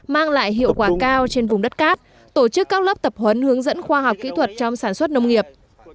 mang lại hiệu quả cao trên vùng đất cát tổ chức các lớp tập huấn hướng dẫn khoa học kỹ thuật trong sản xuất nông nghiệp